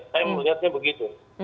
saya melihatnya begitu